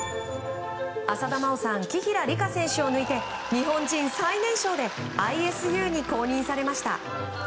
浅田真央さん紀平梨花選手を抜いて日本人最年少でＩＳＵに公認されました。